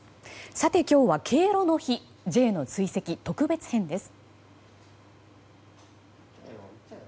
さて今日は敬老の日Ｊの追跡特別編です。